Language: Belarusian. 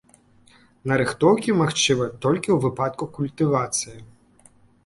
Нарыхтоўкі магчымы толькі ў выпадку культывацыі.